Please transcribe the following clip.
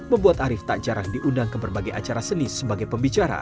membuat arief tak jarang diundang ke berbagai acara seni sebagai pembicara